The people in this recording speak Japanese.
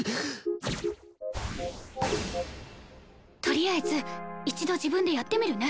とりあえず一度自分でやってみるね。